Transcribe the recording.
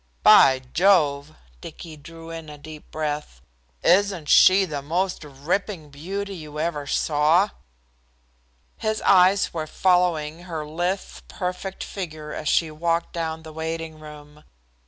"By jove!" Dicky drew in a deep breath. "Isn't she the most ripping beauty you ever saw?" His eyes were following her lithe, perfect figure as she walked down the waiting room.